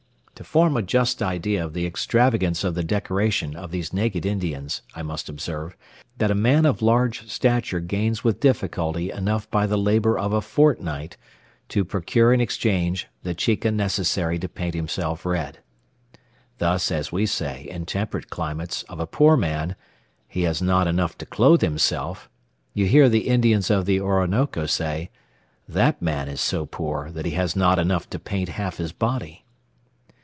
To form a just idea of the extravagance of the decoration of these naked Indians, I must observe, that a man of large stature gains with difficulty enough by the labour of a fortnight, to procure in exchange the chica necessary to paint himself red. Thus as we say, in temperate climates, of a poor man, "he has not enough to clothe himself," you hear the Indians of the Orinoco say, "that man is so poor, that he has not enough to paint half his body."